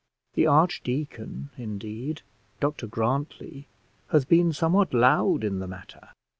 The archdeacon, indeed, Dr Grantly, has been somewhat loud in the matter.